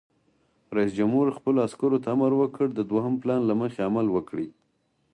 رئیس جمهور خپلو عسکرو ته امر وکړ؛ د دوهم پلان له مخې عمل وکړئ!